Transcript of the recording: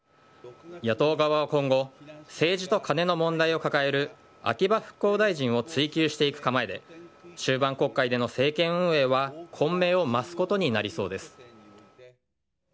野党側は今後、政治とカネの問題を抱える秋葉復興大臣を追及していく構えで、終盤国会での政権運営は混迷を増すことになりそうです。